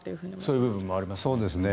そういう部分もありますよね。